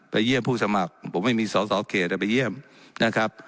เยี่ยมผู้สมัครผมไม่มีสอสอเขตไปเยี่ยมนะครับ